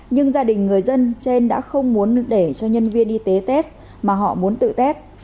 nhưng gia đình người dân trên đã không muốn để cho nhân viên y tế test mà họ muốn tự tét